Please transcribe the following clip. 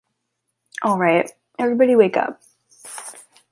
All right, everybody wake up.